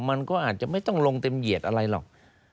มันก็อาจจะไม่ต้องลงเต็มเหยียดอะไรหรอก